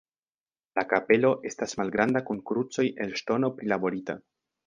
La kapelo estas malgranda kun krucoj el ŝtono prilaborita.